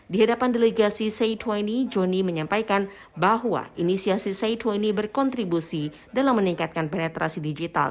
di hadapan delegasi c dua puluh johnny menyampaikan bahwa inisiasi c dua puluh berkontribusi dalam meningkatkan penetrasi digital